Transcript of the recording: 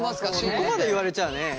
そこまで言われちゃあね。